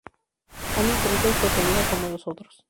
Amy pronto es poseída como los otros.